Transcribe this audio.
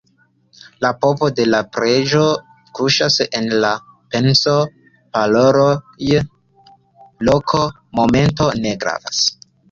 La povo de la preĝo kuŝas en la penso; paroloj, loko, momento ne gravas.